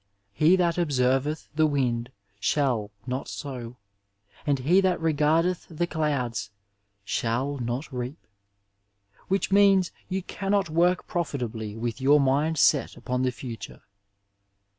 '^He that observeth the wind shall not sow, and he that regard* eth the clouds shall not reap," which means you cannot work profitably with your mind set upon the future.